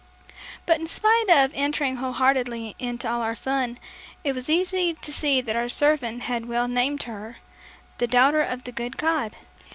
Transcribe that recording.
But in spite of entering wholeheartedly into all our fun, it was easy to see that our servant had well named her, "The daughter of the good God!"